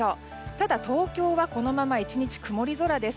ただ、東京はこのまま１日曇り空です。